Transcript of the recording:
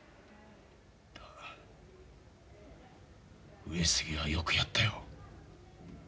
だが上杉はよくやったよ。